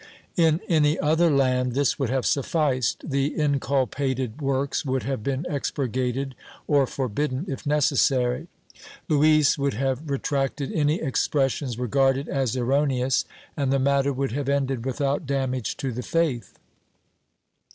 ^ In any other land, this would have sufficed. The inculpated works would have been expurgated or forbidden, if necessary. Luis would have retracted any expressions regarded as erroneous, and the matter would have ended without damage to the faith.